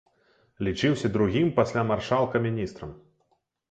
Лічыўся другім пасля маршалка міністрам.